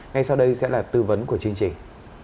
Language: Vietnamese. ngay sau đây sẽ là tư vấn của chương trình